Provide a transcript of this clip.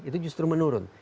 itu justru menurun